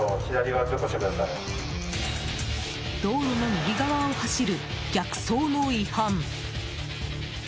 道路の右側を走る、逆走の違反。